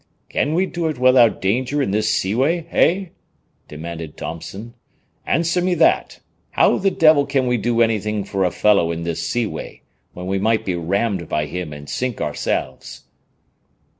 "Can we do it without danger in this seaway, hey?" demanded Thompson. "Answer me that. How the devil can we do anything for a fellow in this seaway, when we might be rammed by him and sink ourselves?"